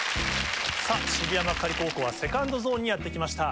渋谷幕張高校はセカンドゾーンにやって来ました。